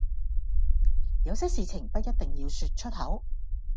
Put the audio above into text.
有些事情不一定要說出口